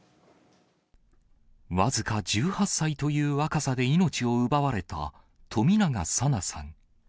僅か１８歳という若さで命を奪われた、冨永紗菜さん。